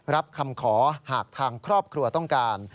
รับคำขอหากทางครอบครัวต้องการ